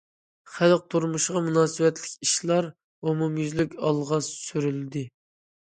خەلق تۇرمۇشىغا مۇناسىۋەتلىك ئىشلار ئومۇميۈزلۈك ئالغا سۈرۈلدى.